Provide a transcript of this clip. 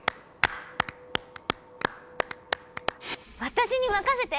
私に任せて！